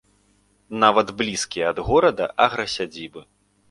Нават блізкія ад горада аграсядзібы.